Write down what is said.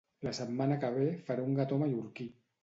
La setmana que ve faré un gató mallorquí